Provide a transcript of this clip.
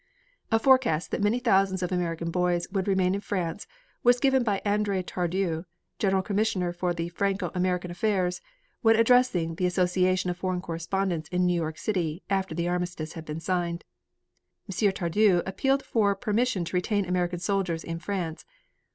A forecast that many thousands of American boys would remain in France was given by Andre Tardieu, General Commissioner for Franco American affairs, when addressing the Association of Foreign Correspondents in New York City, after the armistice had been signed. M. Tardieu appealed for permission to retain American soldiers in France.